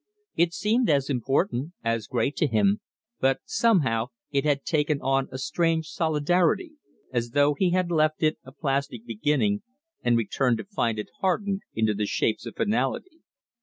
It seemed as important, as great to him, but somehow it had taken on a strange solidarity, as though he had left it a plastic beginning and returned to find it hardened into the shapes of finality.